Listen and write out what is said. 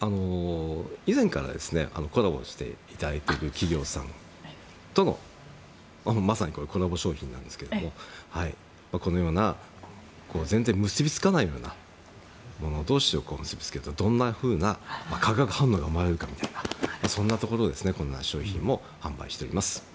以前からコラボしていただいている企業さんとのまさにコラボ商品なんですけどこのような全然結びつかないようなもの同士を結びつけるとどんなふうな化学反応が生まれるかみたいなこんなところでコラボ商品を販売しています。